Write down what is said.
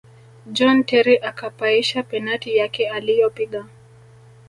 john terry akapaisha penati yake aliyopiga